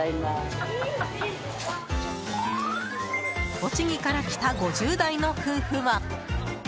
栃木から来た５０代の夫婦は。